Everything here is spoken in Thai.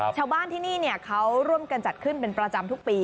ชาวบ้านที่นี่เขาร่วมกันจัดขึ้นเป็นประจำทุกปี